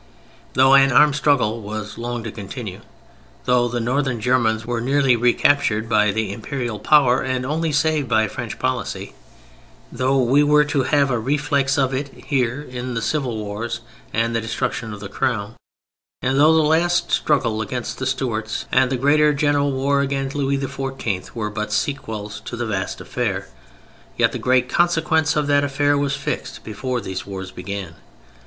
Though an armed struggle was long to continue, though the North Germans were nearly recaptured by the Imperial Power and only saved by French policy, though we were to have a reflex of it here in the Civil Wars and the destruction of the Crown, and though the last struggle against the Stuarts and the greater general war against Louis XIV. were but sequels to the vast affair, yet the great consequence of that affair was fixed before these wars began.